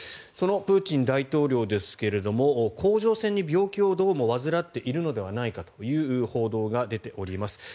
そのプーチン大統領ですが甲状腺に病気をどうも患っているのではという報道が出ております。